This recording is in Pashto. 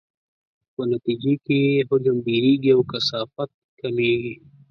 په نتیجې کې یې حجم ډیریږي او کثافت کمیږي.